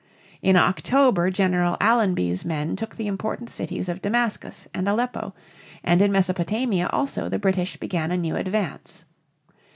In October General Allenby's men took the important cities of Damascus and Aleppo, and in Mesopotamia also the British began a new advance.